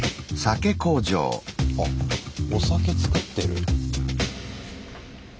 あお酒造ってる。